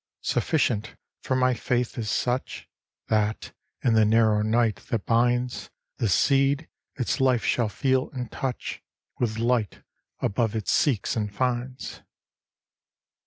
Sufficient for my faith is such: That, in the narrow night that binds The seed, its life shall feel in touch With light above it seeks and finds.